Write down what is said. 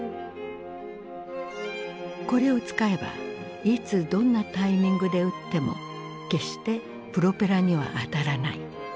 これを使えばいつどんなタイミングで撃っても決してプロペラには当たらない。